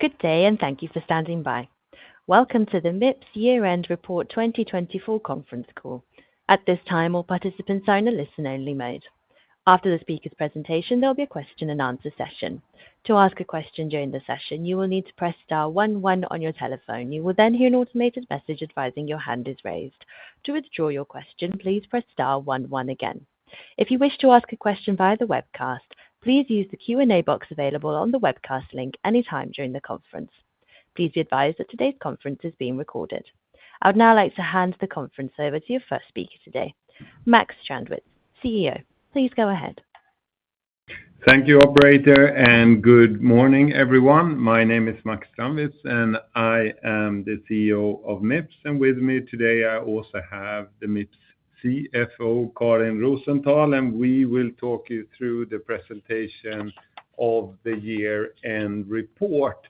Good day, and thank you for standing by. Welcome to the MIPS year-end report 2024 conference call. At this time, all participants are in a listen-only mode. After the speaker's presentation, there will be a question and answer session. To ask a question during the session, you will need to press star one one on your telephone. You will then hear an automated message advising your hand is raised. To withdraw your question, please press star one one again. If you wish to ask a question via the webcast, please use the Q&A box available on the webcast link anytime during the conference. Please be advised that today's conference is being recorded. I would now like to hand the conference over to your first speaker today, Max Strandwitz, CEO. Please go ahead. Thank you, Operator, and good morning, everyone. My name is Max Strandwitz, and I am the CEO of MIPS, and with me today, I also have the MIPS CFO, Karin Rosenthal, and we will talk you through the presentation of the year-end report,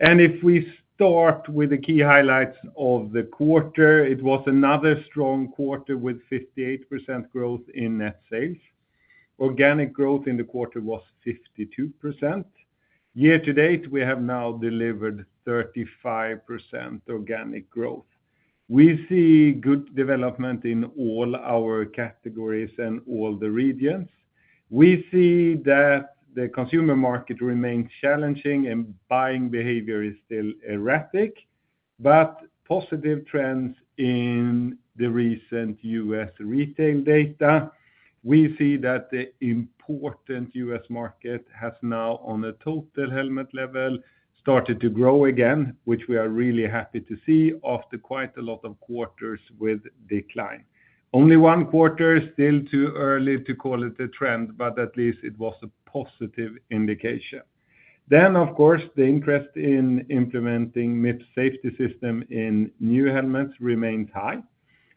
and if we start with the key highlights of the quarter, it was another strong quarter with 58% growth in net sales. Organic growth in the quarter was 52%. Year-to-date, we have now delivered 35% organic growth. We see good development in all our categories and all the regions. We see that the consumer market remains challenging, and buying behavior is still erratic, but positive trends in the recent U.S. retail data. We see that the important U.S. market has now, on a total helmet level, started to grow again, which we are really happy to see after quite a lot of quarters with decline. Only one quarter is still too early to call it a trend, but at least it was a positive indication, then, of course, the interest in implementing MIPS safety system in new helmets remains high.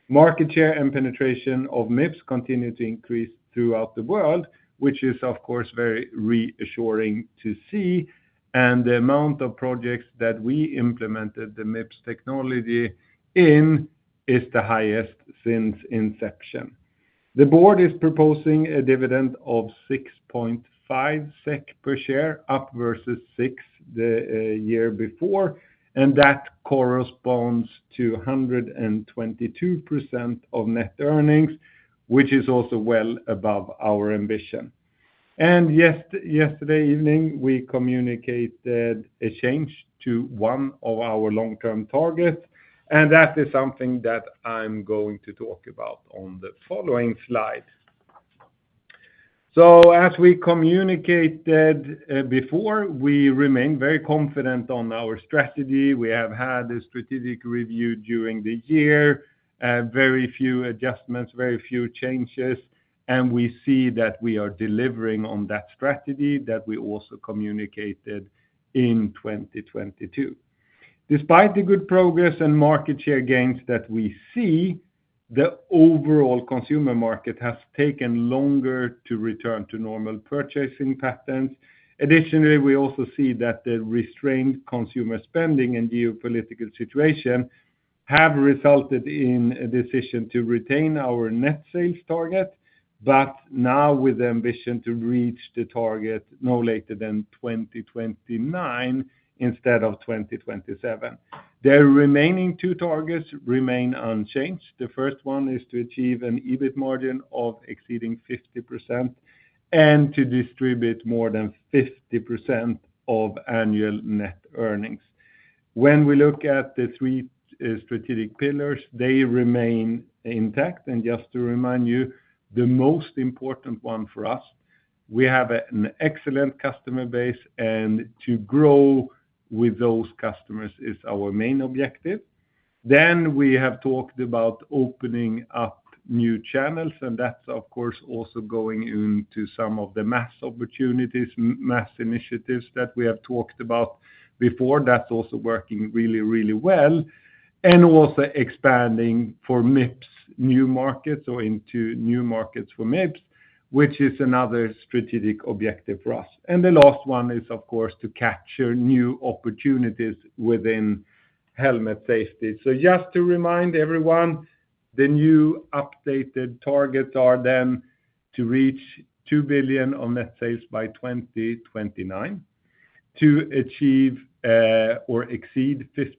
Market share and penetration of MIPS continue to increase throughout the world, which is, of course, very reassuring to see, and the amount of projects that we implemented the MIPS technology in is the highest since inception. The board is proposing a dividend of 6.5 SEK per share, up versus 6 the year before, and that corresponds to 122% of net earnings, which is also well above our ambition, and yesterday evening, we communicated a change to one of our long-term targets, and that is something that I'm going to talk about on the following slide, so, as we communicated before, we remain very confident on our strategy. We have had a strategic review during the year, very few adjustments, very few changes, and we see that we are delivering on that strategy that we also communicated in 2022. Despite the good progress and market share gains that we see, the overall consumer market has taken longer to return to normal purchasing patterns. Additionally, we also see that the restrained consumer spending and geopolitical situation have resulted in a decision to retain our net sales target, but now with the ambition to reach the target no later than 2029 instead of 2027. The remaining two targets remain unchanged. The first one is to achieve an EBIT margin of exceeding 50% and to distribute more than 50% of annual net earnings. When we look at the three strategic pillars, they remain intact. Just to remind you, the most important one for us, we have an excellent customer base, and to grow with those customers is our main objective. We have talked about opening up new channels, and that's, of course, also going into some of the mass opportunities, mass initiatives that we have talked about before. That's also working really, really well, and also expanding for MIPS new markets or into new markets for MIPS, which is another strategic objective for us. The last one is, of course, to capture new opportunities within helmet safety. Just to remind everyone, the new updated targets are then to reach 2 billion on net sales by 2029, to achieve or exceed 50%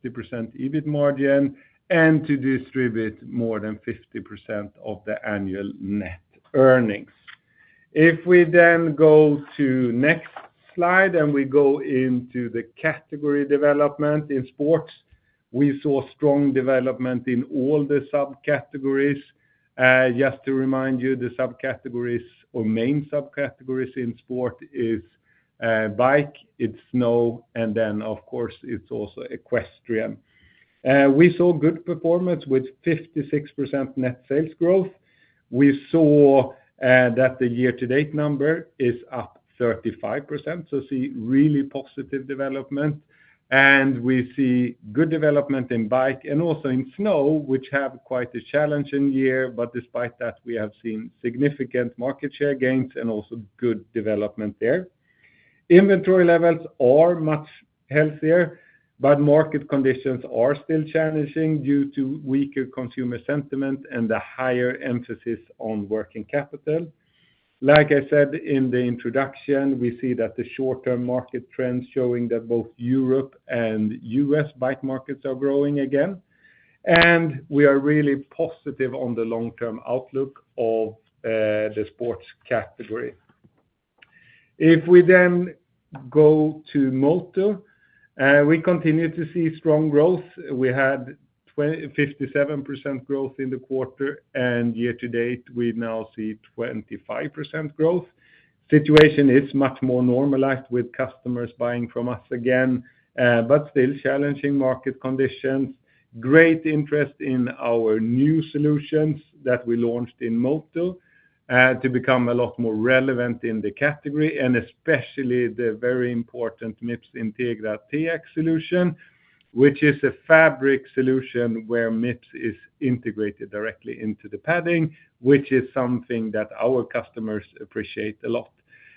EBIT margin, and to distribute more than 50% of the annual net earnings. If we then go to the next slide and we go into the category development in sports, we saw strong development in all the subcategories. Just to remind you, the subcategories or main subcategories in sport are bike, it's snow, and then, of course, it's also equestrian. We saw good performance with 56% net sales growth. We saw that the year-to-date number is up 35%, so see really positive development. And we see good development in bike and also in snow, which have quite a challenging year, but despite that, we have seen significant market share gains and also good development there. Inventory levels are much healthier, but market conditions are still challenging due to weaker consumer sentiment and the higher emphasis on working capital. Like I said in the introduction, we see that the short-term market trends are showing that both Europe and U.S. bike markets are growing again, and we are really positive on the long-term outlook of the sports category. If we then go to motor, we continue to see strong growth. We had 57% growth in the quarter, and year-to-date, we now see 25% growth. The situation is much more normalized with customers buying from us again, but still challenging market conditions. Great interest in our new solutions that we launched in motor to become a lot more relevant in the category, and especially the very important MIPS Integra TX solution, which is a fabric solution where MIPS is integrated directly into the padding, which is something that our customers appreciate a lot.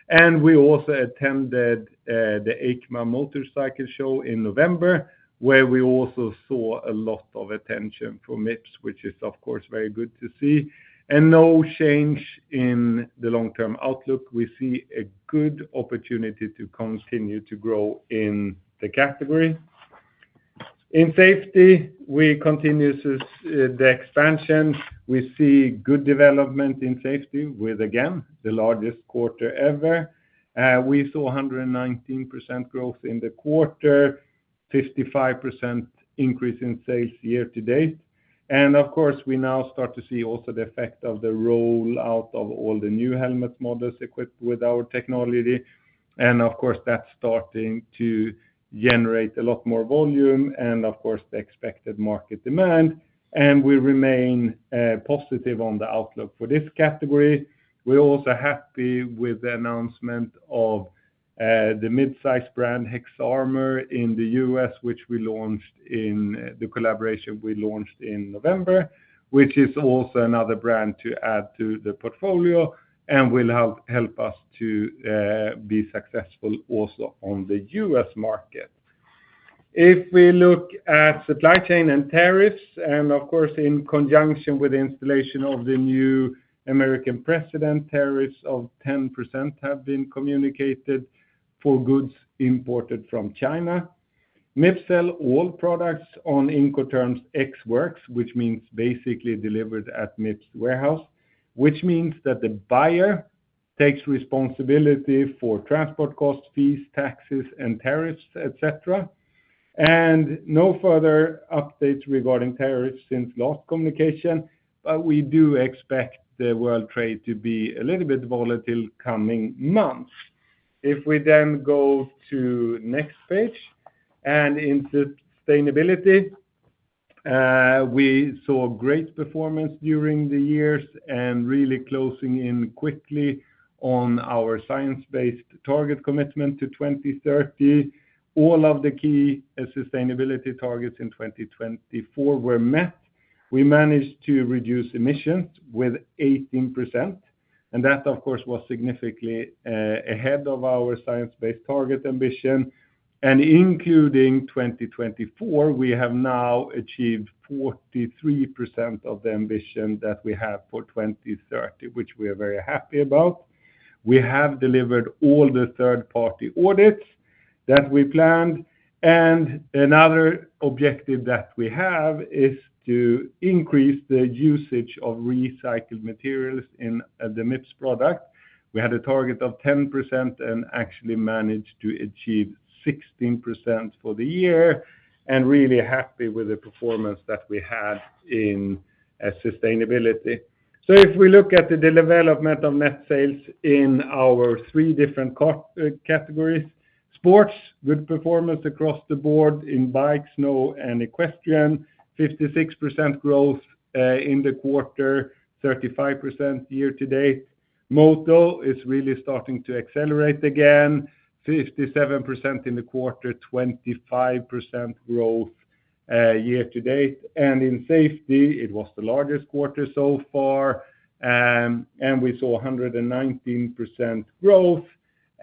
And we also attended the EICMA motorcycle show in November, where we also saw a lot of attention for MIPS, which is, of course, very good to see. And no change in the long-term outlook. We see a good opportunity to continue to grow in the category. In safety, we continue the expansion. We see good development in safety with, again, the largest quarter ever. We saw 119% growth in the quarter, 55% increase in sales year-to-date. And, of course, we now start to see also the effect of the rollout of all the new helmets models equipped with our technology. And, of course, that's starting to generate a lot more volume and, of course, the expected market demand. And we remain positive on the outlook for this category. We're also happy with the announcement of the midsize brand HexArmor in the U.S., which we launched in the collaboration in November, which is also another brand to add to the portfolio and will help us to be successful also on the U.S. market. If we look at supply chain and tariffs, and, of course, in conjunction with the inauguration of the new American President, tariffs of 10% have been communicated for goods imported from China. MIPS sells all products on Incoterms Ex Works, which means basically delivered at MIPS warehouse, which means that the buyer takes responsibility for transport costs, fees, taxes, and tariffs, etc., and no further updates regarding tariffs since last communication, but we do expect the world trade to be a little bit volatile coming months. If we then go to the next page and into sustainability, we saw great performance during the years and really closing in quickly on our Science Based Targets commitment to 2030. All of the key sustainability targets in 2024 were met. We managed to reduce emissions with 18%, and that, of course, was significantly ahead of our Science Based Targets ambition, and including 2024, we have now achieved 43% of the ambition that we have for 2030, which we are very happy about. We have delivered all the third-party audits that we planned, and another objective that we have is to increase the usage of recycled materials in the MIPS product. We had a target of 10% and actually managed to achieve 16% for the year, and really happy with the performance that we had in sustainability. So if we look at the development of net sales in our three different categories, sports, good performance across the board in bike, snow, and equestrian, 56% growth in the quarter, 35% year-to-date. Motor is really starting to accelerate again, 57% in the quarter, 25% growth year-to-date. And in safety, it was the largest quarter so far, and we saw 119% growth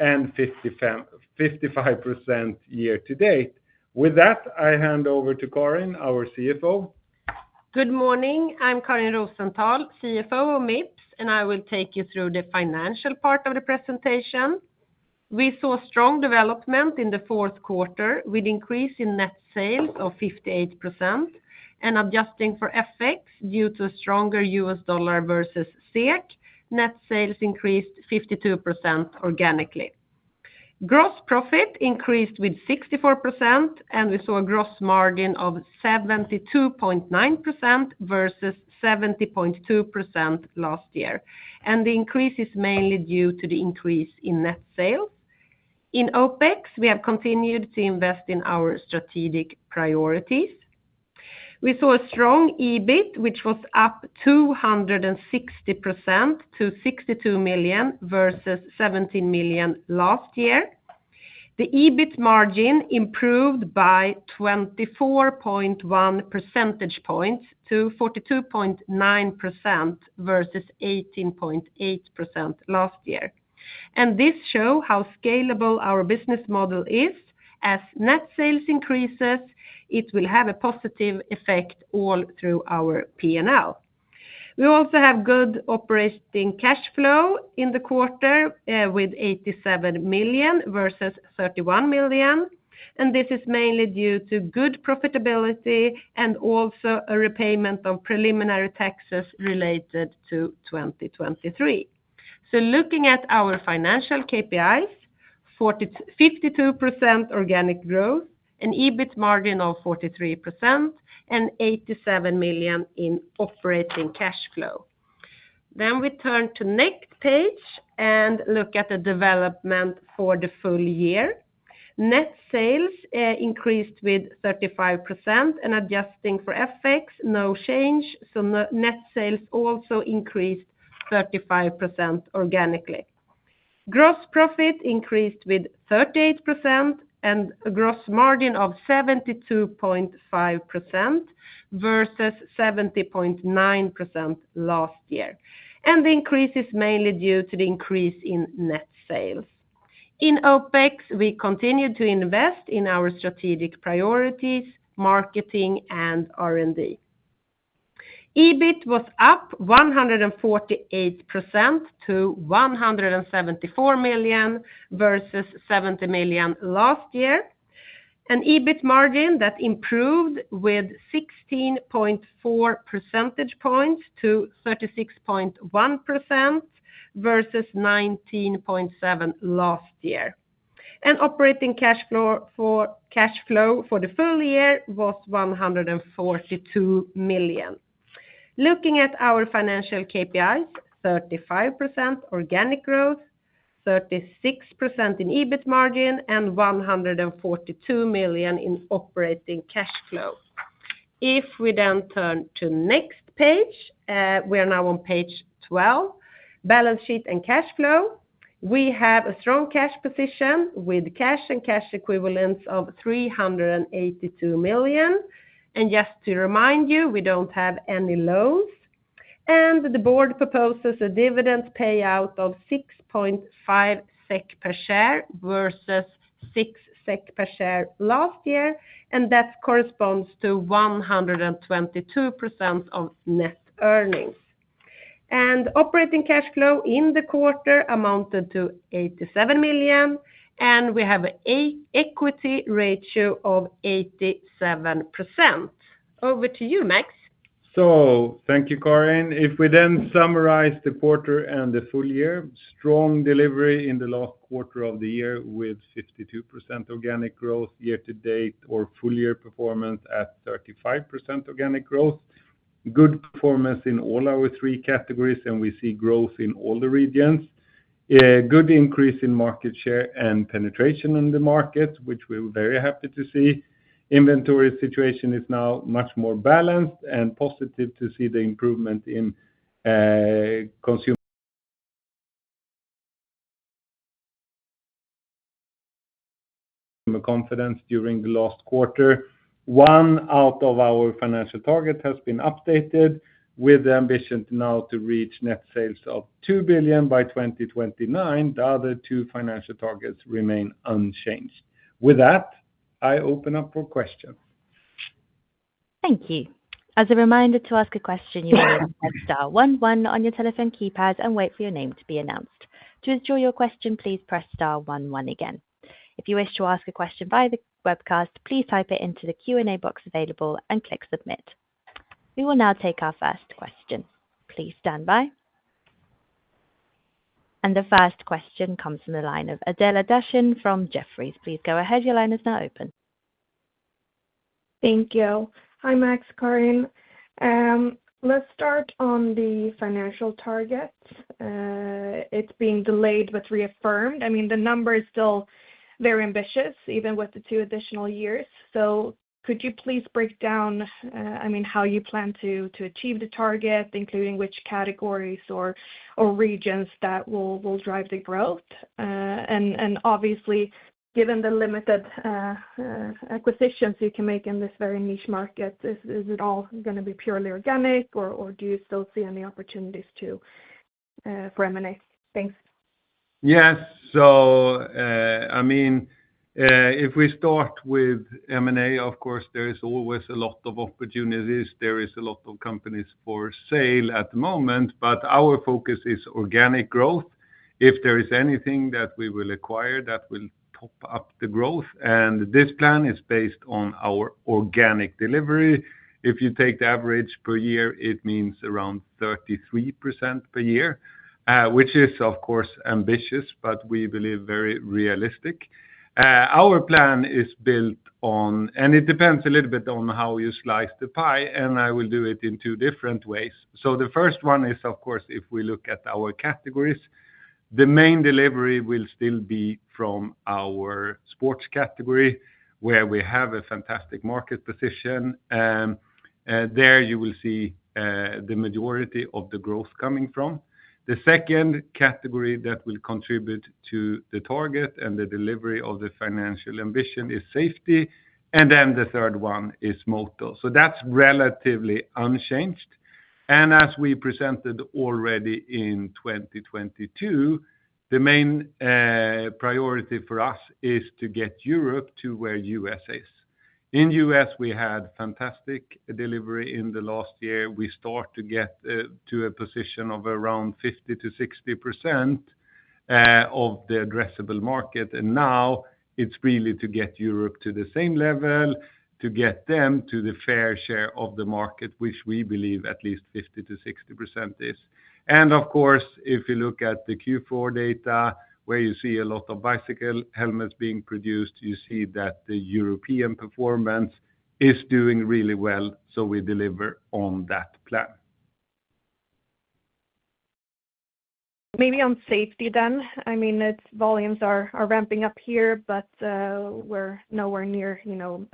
and 55% year-to-date. With that, I hand over to Karin, our CFO. Good morning. I'm Karin Rosenthal, CFO of MIPS, and I will take you through the financial part of the presentation. We saw strong development in the fourth quarter with an increase in net sales of 58% and adjusting for FX due to a stronger U.S. dollar versus SEK. Net sales increased 52% organically. Gross profit increased with 64%, and we saw a gross margin of 72.9% versus 70.2% last year, and the increase is mainly due to the increase in net sales. In OpEx, we have continued to invest in our strategic priorities. We saw a strong EBIT, which was up 260% to 62 million versus 17 million last year. The EBIT margin improved by 24.1 percentage points to 42.9% versus 18.8% last year, and this shows how scalable our business model is. As net sales increases, it will have a positive effect all through our P&L. We also have good operating cash flow in the quarter with 87 million versus 31 million. And this is mainly due to good profitability and also a repayment of preliminary taxes related to 2023. So looking at our financial KPIs, 52% organic growth, an EBIT margin of 43%, and 87 million in operating cash flow. Then we turn to the next page and look at the development for the full year. Net sales increased with 35% and adjusting for FX, no change. So net sales also increased 35% organically. Gross profit increased with 38% and a gross margin of 72.5% versus 70.9% last year. And the increase is mainly due to the increase in net sales. In OpEx, we continue to invest in our strategic priorities, marketing, and R&D. EBIT was up 148% to 174 million versus 70 million last year. An EBIT margin that improved with 16.4 percentage points to 36.1% versus 19.7% last year. And operating cash flow for the full year was 142 million. Looking at our financial KPIs, 35% organic growth, 36% in EBIT margin, and 142 million in operating cash flow. If we then turn to the next page, we are now on page 12, balance sheet and cash flow. We have a strong cash position with cash and cash equivalents of 382 million. And just to remind you, we don't have any loans. And the board proposes a dividend payout of SEK 6.5% per share versus SEK 6% per share last year. And that corresponds to 122% of net earnings. And operating cash flow in the quarter amounted to 87 million. And we have an equity ratio of 87%. Over to you, Max. Thank you, Karin. If we then summarize the quarter and the full year, strong delivery in the last quarter of the year with 52% organic growth year-to-date, or full year performance at 35% organic growth. Good performance in all our three categories, and we see growth in all the regions. Good increase in market share and penetration in the markets, which we're very happy to see. Inventory situation is now much more balanced, and positive to see the improvement in consumer confidence during the last quarter. One out of our financial targets has been updated with the ambition now to reach net sales of 2 billion by 2029. The other two financial targets remain unchanged. With that, I open up for questions. Thank you. As a reminder to ask a question, you may press star one one on your telephone keypad and wait for your name to be announced. To withdraw your question, please press star one one again. If you wish to ask a question via the webcast, please type it into the Q&A box available and click submit. We will now take our first question. Please stand by. And the first question comes from the line of Adela Dashian from Jefferies. Please go ahead. Your line is now open. Thank you. Hi, Max, Karin. Let's start on the financial targets. It's being delayed but reaffirmed. I mean, the number is still very ambitious, even with the two additional years. So could you please break down, I mean, how you plan to achieve the target, including which categories or regions that will drive the growth? And obviously, given the limited acquisitions you can make in this very niche market, is it all going to be purely organic, or do you still see any opportunities for M&A? Thanks. Yes. So, I mean, if we start with M&A, of course, there is always a lot of opportunities. There are a lot of companies for sale at the moment, but our focus is organic growth. If there is anything that we will acquire, that will top up the growth. And this plan is based on our organic delivery. If you take the average per year, it means around 33% per year, which is, of course, ambitious, but we believe very realistic. Our plan is built on, and it depends a little bit on how you slice the pie, and I will do it in two different ways. So the first one is, of course, if we look at our categories, the main delivery will still be from our sports category, where we have a fantastic market position. There you will see the majority of the growth coming from. The second category that will contribute to the target and the delivery of the financial ambition is safety. And then the third one is motor. So that's relatively unchanged. And as we presented already in 2022, the main priority for us is to get Europe to where the U.S. is. In the U.S., we had fantastic delivery in the last year. We start to get to a position of around 50%-60% of the addressable market. And now it's really to get Europe to the same level, to get them to the fair share of the market, which we believe at least 50%-60% is. And of course, if you look at the Q4 data, where you see a lot of bicycle helmets being produced, you see that the European performance is doing really well. So we deliver on that plan. Maybe on safety then. I mean, its volumes are ramping up here, but we're nowhere near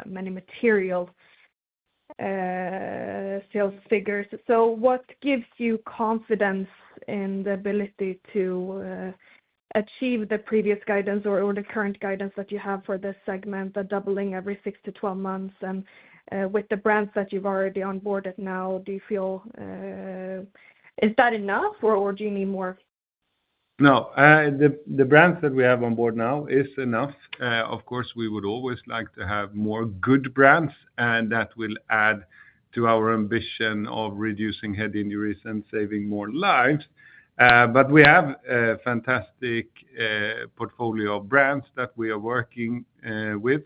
many material sales figures. So what gives you confidence in the ability to achieve the previous guidance or the current guidance that you have for this segment, the doubling every six to 12 months? And with the brands that you've already onboarded now, do you feel is that enough, or do you need more? No. The brands that we have on board now are enough. Of course, we would always like to have more good brands, and that will add to our ambition of reducing head injuries and saving more lives. But we have a fantastic portfolio of brands that we are working with,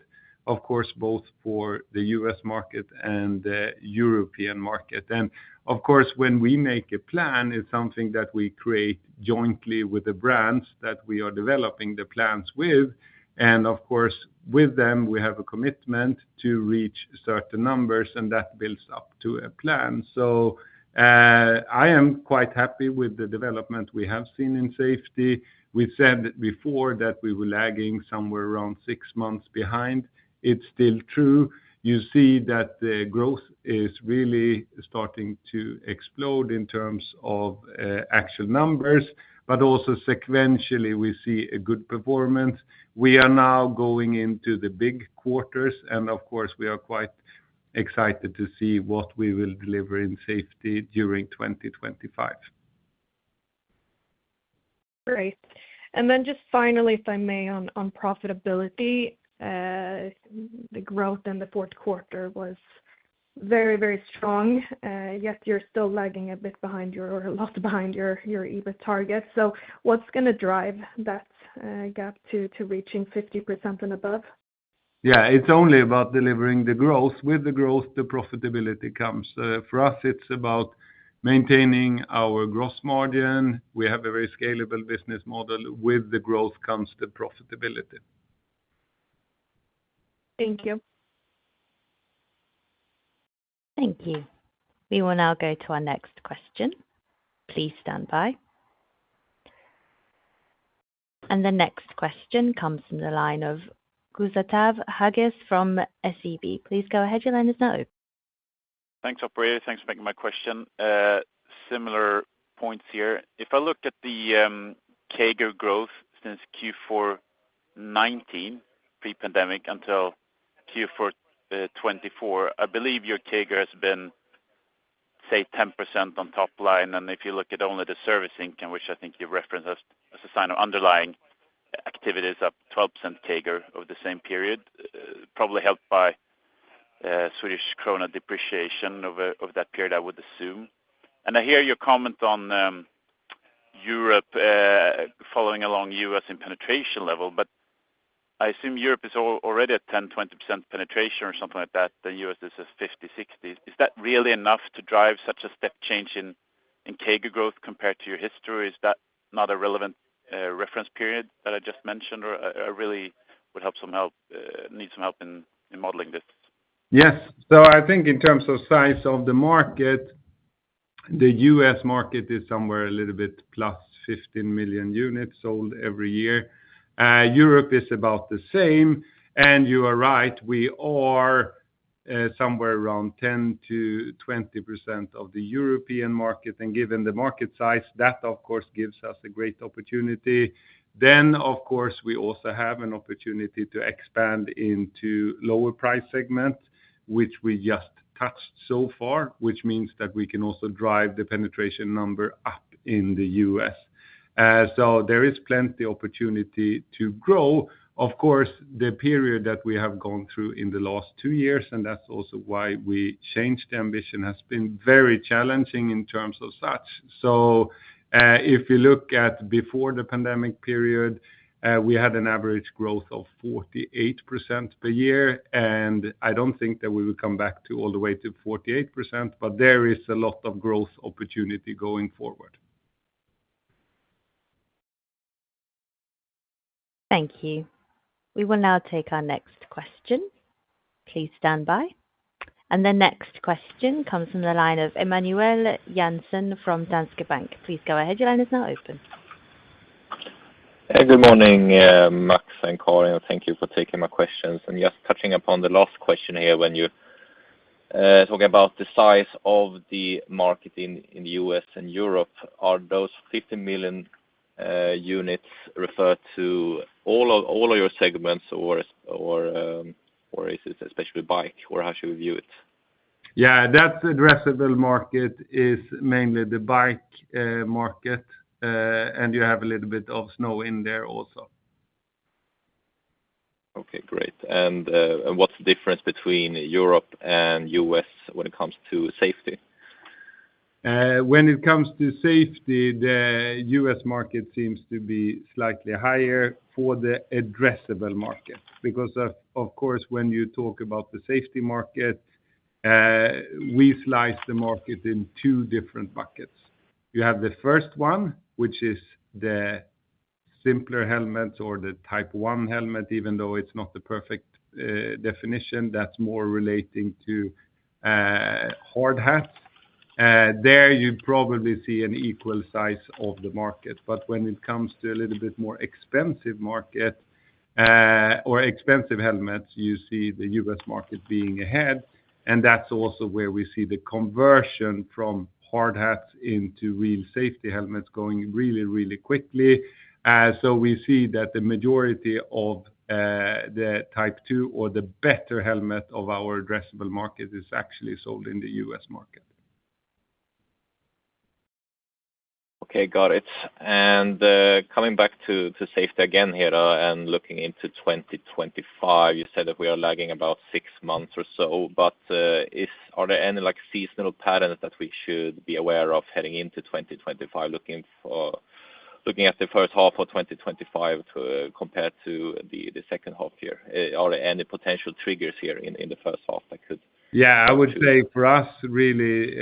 of course, both for the U.S. market and the European market. And of course, when we make a plan, it's something that we create jointly with the brands that we are developing the plans with. And of course, with them, we have a commitment to reach certain numbers, and that builds up to a plan. So I am quite happy with the development we have seen in safety. We said before that we were lagging somewhere around six months behind. It's still true. You see that the growth is really starting to explode in terms of actual numbers, but also sequentially, we see a good performance. We are now going into the big quarters, and of course, we are quite excited to see what we will deliver in safety during 2025. Great. And then just finally, if I may, on profitability, the growth in the fourth quarter was very, very strong. Yet you're still lagging a bit behind your or a lot behind your EBIT target. So what's going to drive that gap to reaching 50% and above? Yeah, it's only about delivering the growth. With the growth, the profitability comes. For us, it's about maintaining our gross margin. We have a very scalable business model. With the growth comes the profitability. Thank you. Thank you. We will now go to our next question. Please stand by. And the next question comes from the line of Gustav Hageus from SEB. Please go ahead. Your line is now open. Thanks, Operator. Thanks for taking my question. Similar points here. If I look at the CAGR growth since Q4 2019 pre-pandemic until Q4 2024, I believe your CAGR has been, say, 10% on top line. And if you look at only the service income, which I think you referenced as a sign of underlying activities, up 12% CAGR over the same period, probably helped by Swedish krona depreciation over that period, I would assume. And I hear your comment on Europe following along the U.S. in penetration level, but I assume Europe is already at 10%-20% penetration or something like that. The U.S. is at 50%-60%. Is that really enough to drive such a step change in CAGR growth compared to your history? Is that not a relevant reference period that I just mentioned or really would help? Need some help in modeling this? Yes. So I think in terms of size of the market, the U.S. market is somewhere a little bit +15 million units sold every year. Europe is about the same. And you are right. We are somewhere around 10%-20% of the European market. And given the market size, that, of course, gives us a great opportunity. Then, of course, we also have an opportunity to expand into lower price segments, which we just touched so far, which means that we can also drive the penetration number up in the U.S. So there is plenty of opportunity to grow. Of course, the period that we have gone through in the last two years, and that's also why we changed ambition, has been very challenging in terms of such. So if you look at before the pandemic period, we had an average growth of 48% per year. I don't think that we will come back all the way to 48%, but there is a lot of growth opportunity going forward. Thank you. We will now take our next question. Please stand by, and the next question comes from the line of Emanuel Jansson from Danske Bank. Please go ahead. Your line is now open. Good morning, Max and Karin. Thank you for taking my questions. And just touching upon the last question here when you're talking about the size of the market in the U.S. and Europe, are those 50 million units referred to all of your segments, or is it especially bike, or how should we view it? Yeah, that addressable market is mainly the bike market, and you have a little bit of snow in there also. Okay, great, and what's the difference between Europe and the U.S. when it comes to safety? When it comes to safety, the U.S. market seems to be slightly higher for the addressable market because, of course, when you talk about the safety market, we slice the market in two different buckets. You have the first one, which is the simpler helmets or the type 1 helmet, even though it's not the perfect definition. That's more relating to hard hats. There you probably see an equal size of the market. But when it comes to a little bit more expensive market or expensive helmets, you see the U.S. market being ahead. And that's also where we see the conversion from hard hats into real safety helmets going really, really quickly. So we see that the majority of the type 2 or the better helmet of our addressable market is actually sold in the U.S. market. Okay, got it, and coming back to safety again here and looking into 2025, you said that we are lagging about six months or so, but are there any seasonal patterns that we should be aware of heading into 2025, looking at the first half of 2025 compared to the second half here? Are there any potential triggers here in the first half that could? Yeah, I would say for us, really,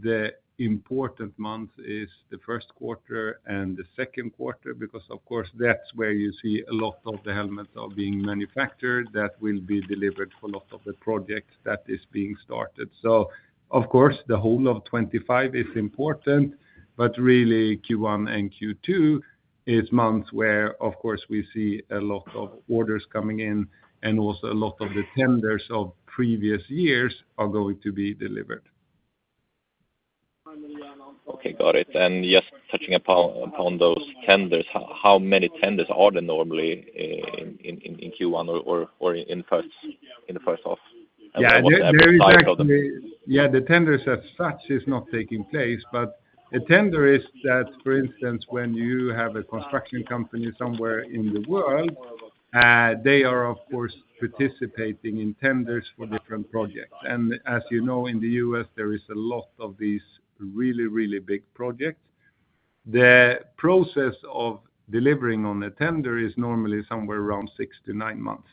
the important month is the first quarter and the second quarter because, of course, that's where you see a lot of the helmets being manufactured that will be delivered for a lot of the projects that are being started. So, of course, the whole of 2025 is important, but really Q1 and Q2 are months where, of course, we see a lot of orders coming in and also a lot of the tenders of previous years are going to be delivered. Okay, got it. And just touching upon those tenders, how many tenders are there normally in Q1 or in the first half? And what's the average size of them? Yeah, the tenders as such are not taking place, but a tender is that, for instance, when you have a construction company somewhere in the world, they are, of course, participating in tenders for different projects. And as you know, in the U.S., there are a lot of these really, really big projects. The process of delivering on a tender is normally somewhere around six to nine months.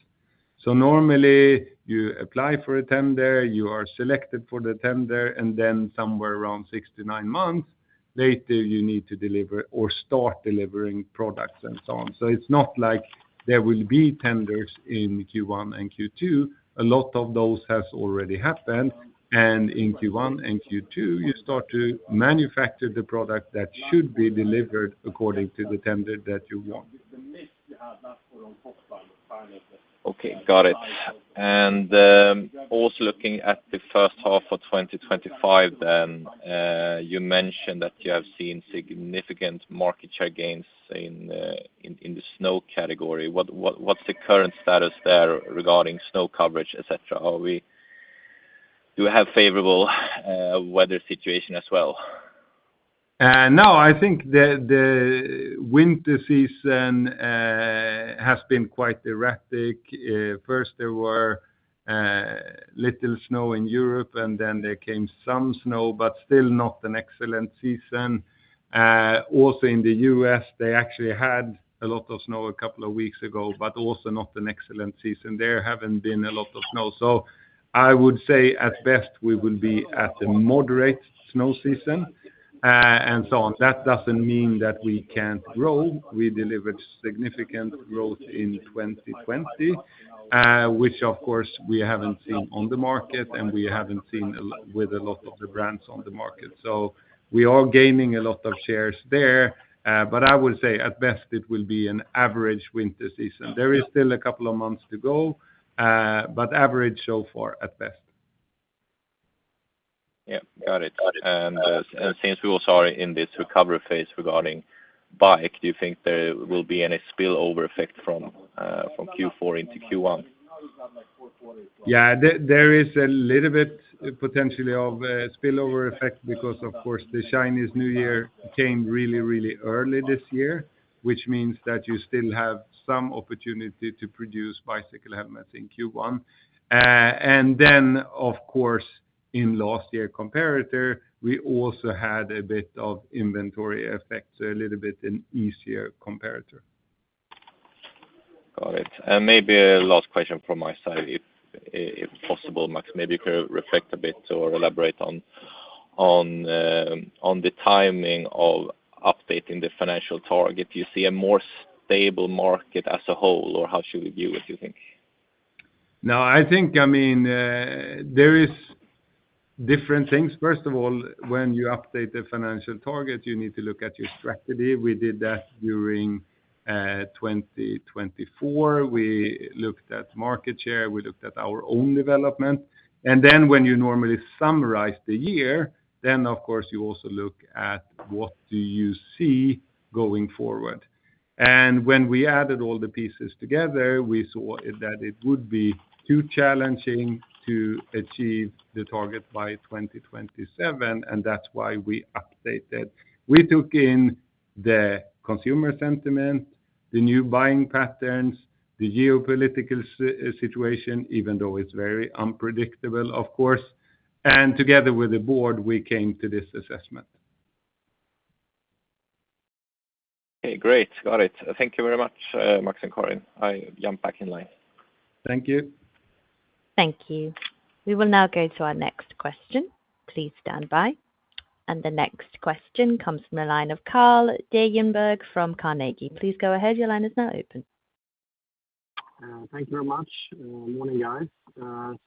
So normally, you apply for a tender, you are selected for the tender, and then somewhere around six to nine months later, you need to deliver or start delivering products and so on. So it's not like there will be tenders in Q1 and Q2. A lot of those have already happened. And in Q1 and Q2, you start to manufacture the product that should be delivered according to the tender that you want. Okay, got it. And also looking at the first half of 2025, then you mentioned that you have seen significant market share gains in the snow category. What's the current status there regarding snow coverage, etc.? Do we have a favorable weather situation as well? No, I think the winter season has been quite erratic. First, there was little snow in Europe, and then there came some snow, but still not an excellent season. Also in the U.S., they actually had a lot of snow a couple of weeks ago, but also not an excellent season. There haven't been a lot of snow. So I would say at best, we will be at a moderate snow season and so on. That doesn't mean that we can't grow. We delivered significant growth in 2020, which, of course, we haven't seen on the market, and we haven't seen with a lot of the brands on the market. So we are gaining a lot of shares there. But I would say at best, it will be an average winter season. There is still a couple of months to go, but average so far at best. Yeah, got it. And since we're sort of in this recovery phase regarding bike, do you think there will be any spillover effect from Q4 into Q1? Yeah, there is a little bit potentially of a spillover effect because, of course, the Chinese New Year came really, really early this year, which means that you still have some opportunity to produce bicycle helmets in Q1, and then, of course, in last year comparative, we also had a bit of inventory effect, so a little bit an easier comparative. Got it. And maybe a last question from my side, if possible, Max. Maybe you could reflect a bit or elaborate on the timing of updating the financial target. Do you see a more stable market as a whole, or how should we view it, do you think? No, I think, I mean, there are different things. First of all, when you update the financial target, you need to look at your strategy. We did that during 2024. We looked at market share. We looked at our own development. And then when you normally summarize the year, then, of course, you also look at what do you see going forward. And when we added all the pieces together, we saw that it would be too challenging to achieve the target by 2027, and that's why we updated. We took in the consumer sentiment, the new buying patterns, the geopolitical situation, even though it's very unpredictable, of course. And together with the board, we came to this assessment. Okay, great. Got it. Thank you very much, Max and Karin. I jump back in line. Thank you. Thank you. We will now go to our next question. Please stand by. The next question comes from the line of Carl Deijenberg from Carnegie. Please go ahead. Your line is now open. Thank you very much. Morning, guys.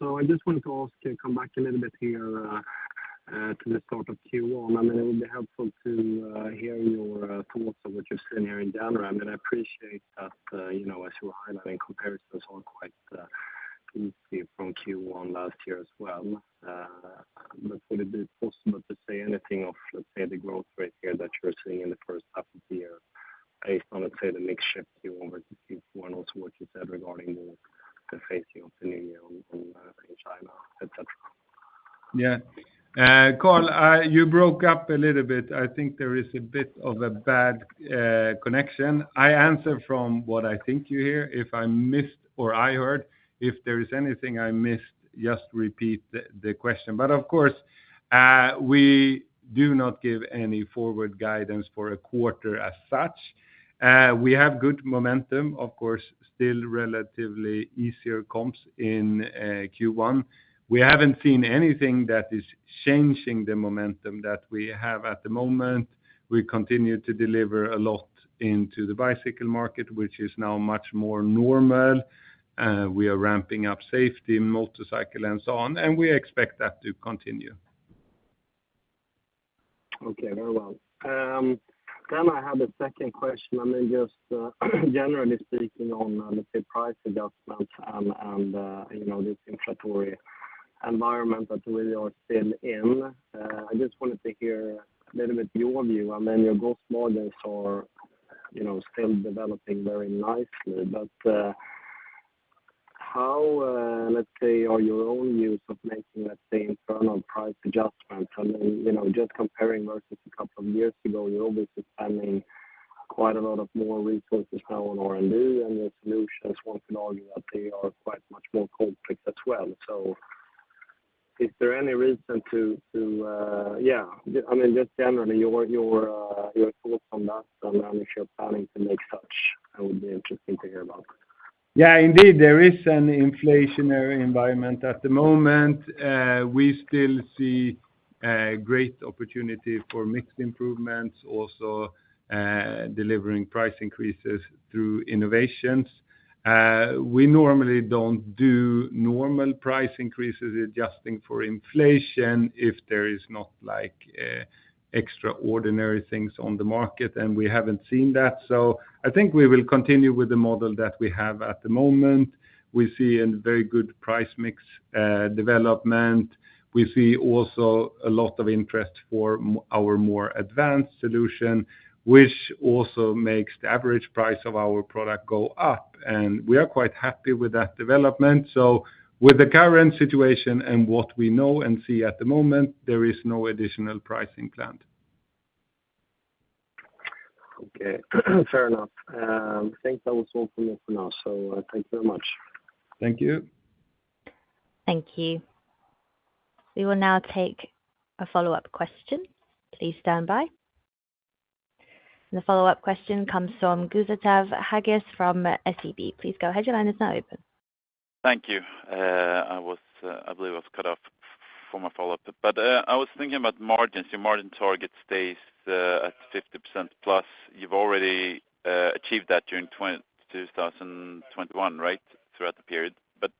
So I just wanted to ask you to come back a little bit here to the start of Q1. I mean, it would be helpful to hear your thoughts on what you've seen here in general. I mean, I appreciate that as you were highlighting comparisons, all quite easy from Q1 last year as well. But would it be possible to say anything of, let's say, the growth rate here that you're seeing in the first half of the year based on, let's say, the mixture Q1 versus Q2 and also what you said regarding the facing of the new year in China, etc.? Yeah. Carl, you broke up a little bit. I think there is a bit of a bad connection. I answer from what I think you hear. If I missed or I heard, if there is anything I missed, just repeat the question. But of course, we do not give any forward guidance for a quarter as such. We have good momentum, of course, still relatively easier comps in Q1. We haven't seen anything that is changing the momentum that we have at the moment. We continue to deliver a lot into the bicycle market, which is now much more normal. We are ramping up safety in motorcycle and so on, and we expect that to continue. Okay, very well. Then I have a second question. I mean, just generally speaking on, let's say, price adjustments and this inflationary environment that we are still in, I just wanted to hear a little bit your view. I mean, your gross margins are still developing very nicely, but how, let's say, are your own views of making, let's say, internal price adjustments? I mean, just comparing versus a couple of years ago, you're obviously spending quite a lot more resources now on R&D and your solutions, one could argue, that they are quite much more complex as well. So is there any reason to, yeah, I mean, just generally your thoughts on that and if you're planning to make such, it would be interesting to hear about. Yeah, indeed. There is an inflationary environment at the moment. We still see great opportunity for mix improvements, also delivering price increases through innovations. We normally don't do normal price increases adjusting for inflation if there are not extraordinary things on the market, and we haven't seen that. So I think we will continue with the model that we have at the moment. We see a very good price mix development. We see also a lot of interest for our more advanced solution, which also makes the average price of our product go up, and we are quite happy with that development, so with the current situation and what we know and see at the moment, there is no additional pricing planned. Okay, fair enough. I think that was all from me for now. So thank you very much. Thank you. Thank you. We will now take a follow-up question. Please stand by, and the follow-up question comes from Gustav Hageus from SEB. Please go ahead. Your line is now open. Thank you. I believe I was cut off from a follow-up, but I was thinking about margins. Your margin target stays at 50%+. You've already achieved that during 2021, right, throughout the period. But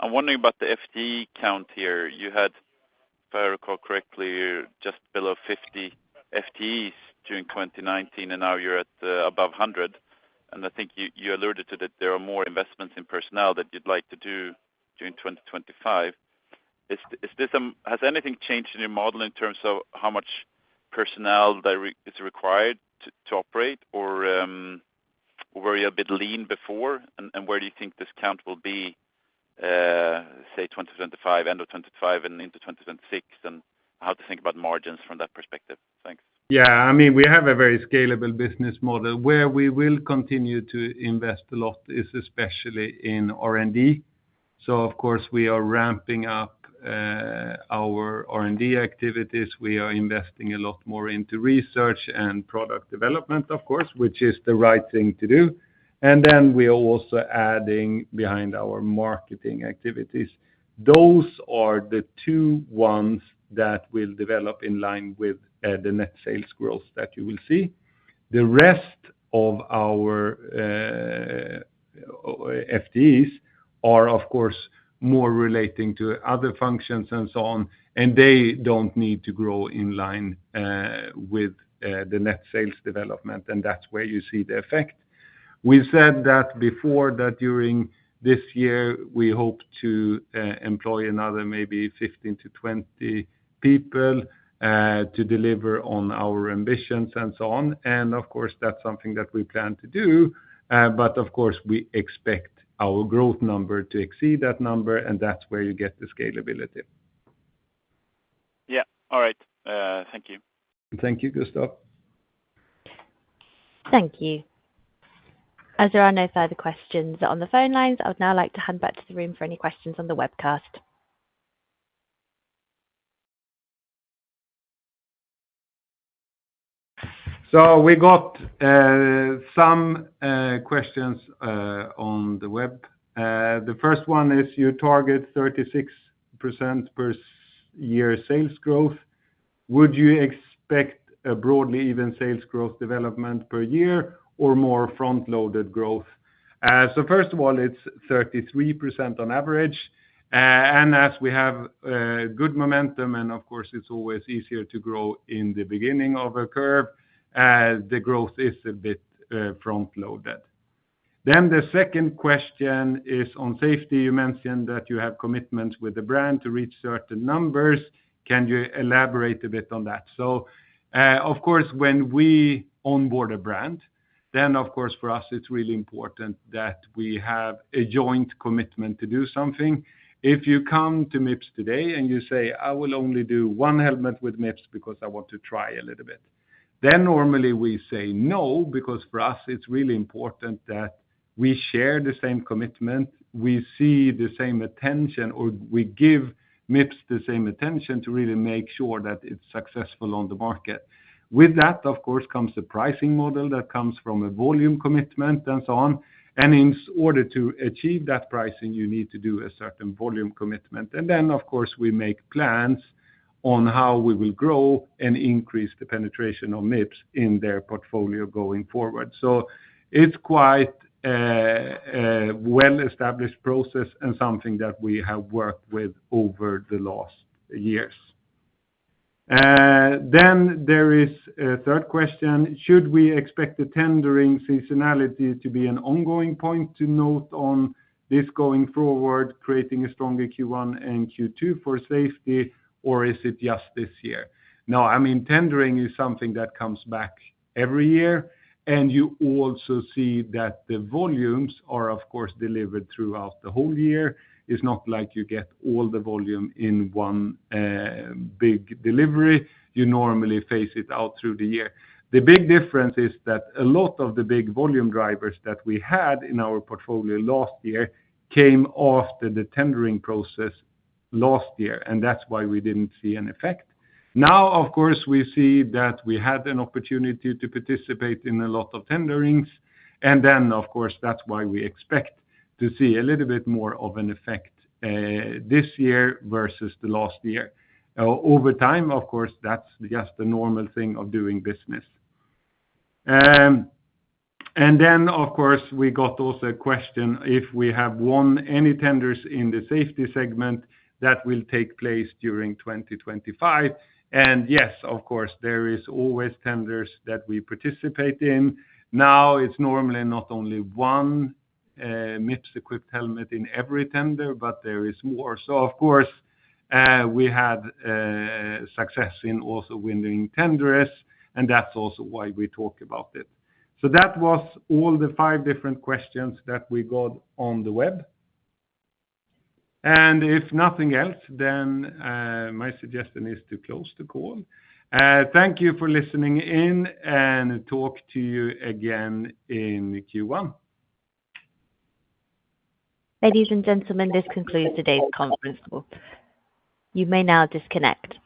I'm wondering about the FTE count here. You had, if I recall correctly, just below 50 FTEs during 2019, and now you're at above 100. And I think you alluded to that there are more investments in personnel that you'd like to do during 2025. Has anything changed in your model in terms of how much personnel is required to operate, or were you a bit lean before, and where do you think this count will be, say, 2025, end of 2025, and into 2026, and how to think about margins from that perspective? Thanks. Yeah, I mean, we have a very scalable business model where we will continue to invest a lot, especially in R&D. So, of course, we are ramping up our R&D activities. We are investing a lot more into research and product development, of course, which is the right thing to do. And then we are also adding behind our marketing activities. Those are the two ones that will develop in line with the net sales growth that you will see. The rest of our FTEs are, of course, more relating to other functions and so on, and they don't need to grow in line with the net sales development, and that's where you see the effect. We said that before that during this year, we hope to employ another maybe 15 to 20 people to deliver on our ambitions and so on. And, of course, that's something that we plan to do. But, of course, we expect our growth number to exceed that number, and that's where you get the scalability. Yeah. All right. Thank you. Thank you, Gustav. Thank you. As there are no further questions on the phone lines, I would now like to hand back to the room for any questions on the webcast. We got some questions on the web. The first one is, you target 36% per year sales growth. Would you expect a broadly even sales growth development per year or more front-loaded growth? First of all, it's 33% on average. As we have good momentum, and of course, it's always easier to grow in the beginning of a curve, the growth is a bit front-loaded. The second question is on safety. You mentioned that you have commitments with the brand to reach certain numbers. Can you elaborate a bit on that? Of course, when we onboard a brand, then, of course, for us, it's really important that we have a joint commitment to do something. If you come to MIPS today and you say, "I will only do one helmet with MIPS because I want to try a little bit," then normally we say no, because for us, it's really important that we share the same commitment, we see the same attention, or we give MIPS the same attention to really make sure that it's successful on the market. With that, of course, comes the pricing model that comes from a volume commitment and so on. And in order to achieve that pricing, you need to do a certain volume commitment. And then, of course, we make plans on how we will grow and increase the penetration of MIPS in their portfolio going forward. So it's quite a well-established process and something that we have worked with over the last years. Then there is a third question. Should we expect the tendering seasonality to be an ongoing point to note on this going forward, creating a stronger Q1 and Q2 for safety, or is it just this year? No, I mean, tendering is something that comes back every year, and you also see that the volumes are, of course, delivered throughout the whole year. It's not like you get all the volume in one big delivery. You normally phase it out through the year. The big difference is that a lot of the big volume drivers that we had in our portfolio last year came after the tendering process last year, and that's why we didn't see an effect. Now, of course, we see that we had an opportunity to participate in a lot of tenderings, and then, of course, that's why we expect to see a little bit more of an effect this year versus the last year. Over time, of course, that's just a normal thing of doing business. And then, of course, we got also a question if we have won any tenders in the safety segment that will take place during 2025. And yes, of course, there are always tenders that we participate in. Now, it's normally not only one MIPS-equipped helmet in every tender, but there are more. So, of course, we had success in also winning tenders, and that's also why we talk about it. So that was all the five different questions that we got on the web. And if nothing else, then my suggestion is to close the call. Thank you for listening in, and talk to you again in Q1. Ladies and gentlemen, this concludes today's conference call. You may now disconnect.